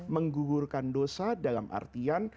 menggugurkan dosa dalam artian